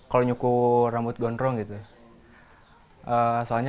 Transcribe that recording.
awalnya itu dalam kesesahannya